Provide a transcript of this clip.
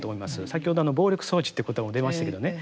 先ほど暴力装置ってことも出ましたけどね